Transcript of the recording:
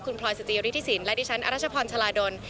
คุณพลอยสจิริธิสินและดิฉันอรัชพรชาลาดล